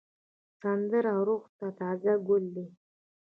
سندره روح ته تازه ګل دی